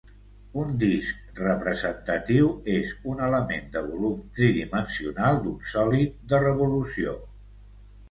Un disc representatiu és un element de volum tridimensional d'un sòlid de revolució.